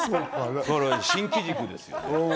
新機軸ですよ。